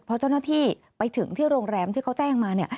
พอเจ้าหน้าที่ไปถึงที่โรงแรมที่เขาแจ้งมา